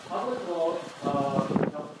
Qiynoqlarda o’ldi qancha odam, esiz